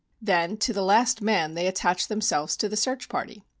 Then, to the last man, they attached themselves to the search party.